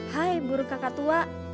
hai burung kakak tua